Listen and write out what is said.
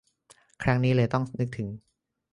ครั้งนี้เลยต้องนึกถึง